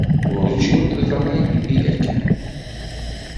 Werǧin teḍra yid-i yakan.